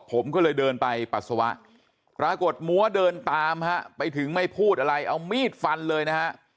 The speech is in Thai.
ผมก็เลยเดินไปปัสสาวะปรากฏมัวเดินตามฮะไปถึงไม่พูดอะไรเอามีดฟันเลยนะฮะ